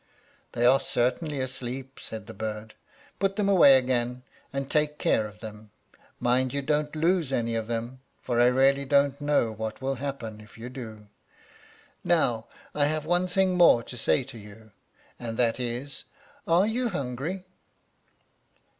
"They are certainly asleep," said the bird. "Put them away again, and take great care of them. Mind you don't lose any of them, for I really don't know what will happen if you do. Now I have one thing more to say to you, and that is, are you hungry?"